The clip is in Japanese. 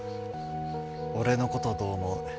「俺のことどう思う？」